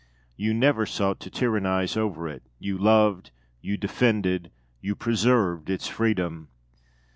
You never sought to tyrannise over it; you loved, you defended, you preserved its freedom.